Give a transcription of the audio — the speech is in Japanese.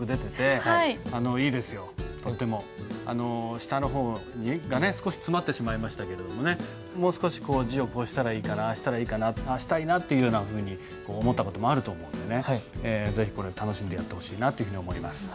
下の方がね少し詰まってしまいましたけれどももう少し字をこうしたらいいかなああしたらいいかなああしたいなというようなふうに思った事もあると思うんでね是非これを楽しんでやってほしいなというふうに思います。